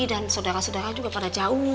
dan saudara saudara juga pada jauh